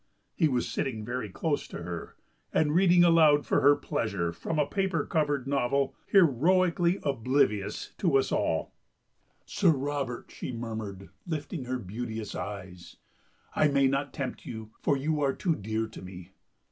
He was sitting very close to her, and reading aloud for her pleasure, from a paper covered novel, heroically oblivious of us all: "'Sir Robert,' she murmured, lifting her beauteous eyes, 'I may not tempt you, for you are too dear to me!'